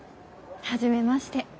初めまして。